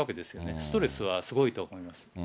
ストレスはすごいと思います。